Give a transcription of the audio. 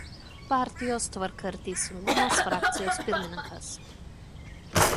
Partijos „Tvarka ir teisingumas“ frakcijos pirmininkas.